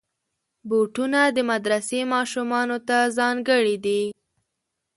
بوټونه د مدرسې ماشومانو ته ځانګړي دي.